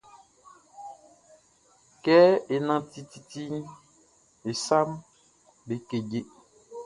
Kɛ é nánti titiʼn, e saʼm be keje.